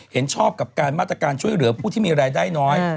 เห็นชอบกับการมาตรการช่วยเหลือผู้ที่มีรายได้น้อย